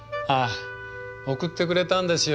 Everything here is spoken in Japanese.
送ってくれたんですよ